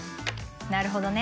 なるほどね。